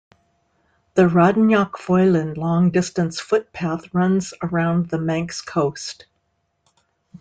The Raad ny Foillan long distance footpath runs around the Manx coast.